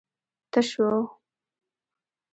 تش و.